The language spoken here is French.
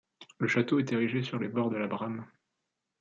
Le château est érigé sur les bords de la Brame.